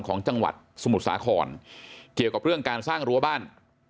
ของจังหวัดสมุทรสาครเกี่ยวกับเรื่องการสร้างรั้วบ้าน